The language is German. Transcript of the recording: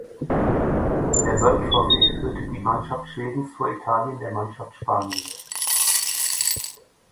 In der World Trophy führte die Mannschaft Schwedens vor Italien der Mannschaft Spaniens.